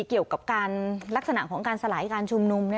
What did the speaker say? เกี่ยวกับการลักษณะของการสลายการชุมนุม